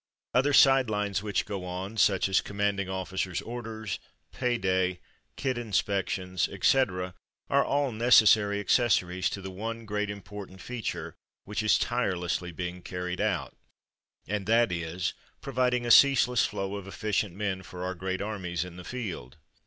Other side lines which go on, such as ^'Commanding Officer's orders,'' "pay day," "kit inspec tions," etc., are all necessary accessories to the one great important feature which is tirelessly being carried out, and that is pro viding a ceaseless flow of efficient men for our great armies in the field.